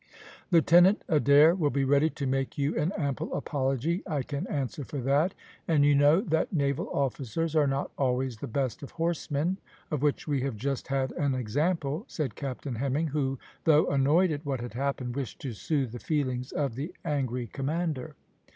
"Lieutenant Adair will be ready to make you an ample apology, I can answer for that, and you know that naval officers are not always the best of horsemen, of which we have just had an example," said Captain Hemming, who, though annoyed at what had happened, wished to soothe the feelings of the angry commander.